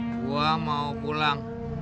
gue mau pulang